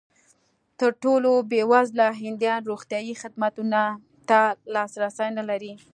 تر ټولو بېوزله هندیان روغتیايي خدمتونو ته لاسرسی نه لري.